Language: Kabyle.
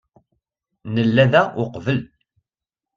Nella da uqbel.